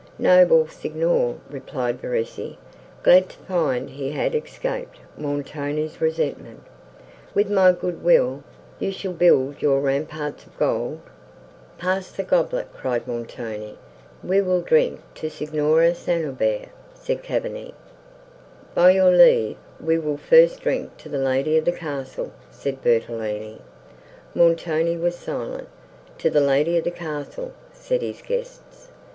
"Noble Signor," replied Verezzi, glad to find he had escaped Montoni's resentment, "with my good will, you shall build your ramparts of gold." "Pass the goblet," cried Montoni. "We will drink to Signora St. Aubert," said Cavigni. "By your leave we will first drink to the lady of the castle." said Bertolini.—Montoni was silent. "To the lady of the castle," said his guests.